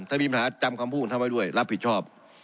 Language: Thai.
ถ้ามีปัญหาจำคำพูดของท่านไว้ด้วยรับผิดชอบ